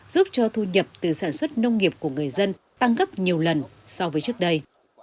giúp cho thu nhập từ sản xuất nông nghiệp của người dân tăng gấp nhiều lần so với trước đây